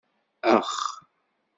Ax!